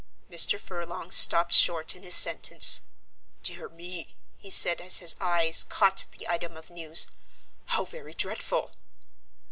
Mr. Furlong stopped short in his sentence. "Dear me!" he said as his eyes caught the item of news. "How very dreadful!"